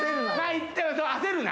焦るな。